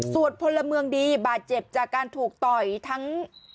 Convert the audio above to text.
ส่วนพลเมืองดีบาดเจ็บจากการถูกต่อยทั้ง